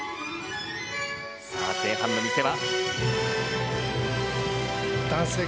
さあ、前半の見せ場。